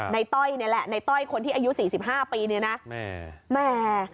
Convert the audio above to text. ในต้อยเนี้ยแหละในต้อยคนที่อายุสี่สิบห้าปีเนี้ยนะแม่แม่